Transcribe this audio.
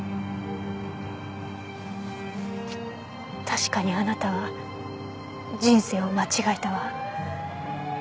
確かにあなたは人生を間違えたわ。